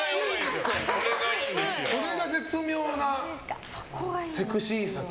それが絶妙なセクシーさと。